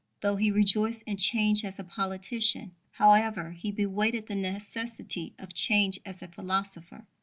Though he rejoiced in change as a politician, however, he bewaited the necessity of change as a philosopher.